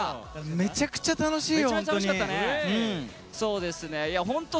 めちゃくちゃ楽しいよ本当に。